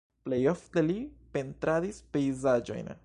Plej ofte li pentradis pejzaĝojn.